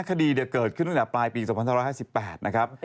คดีเกิดขึ้นวันปลายปี๑๒๕๘นะครับ